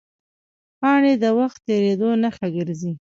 پاڼې د وخت تېرېدو نښه ګرځي